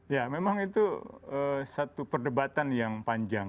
ya memang itu satu perdebatan yang panjang